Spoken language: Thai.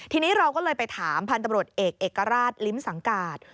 ทีนี้เราก็เลยไปถามพันธุ์ตำรวจเอกเอกราชลิ้มสังกาศ